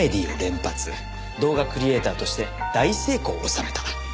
動画クリエイターとして大成功を収めた。